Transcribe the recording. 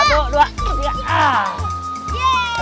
aduh dua tiga